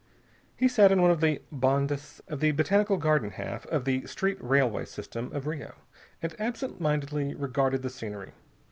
He sat in one of the bondes of the Botanical Garden half of the street railway system of Rio, and absent mindedly regarded the scenery.